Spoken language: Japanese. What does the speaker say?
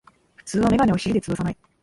普通はメガネを尻でつぶさない